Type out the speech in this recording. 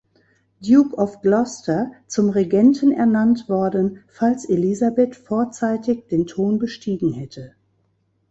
Duke of Gloucester, zum Regenten ernannt worden, falls Elisabeth vorzeitig den Thron bestiegen hätte.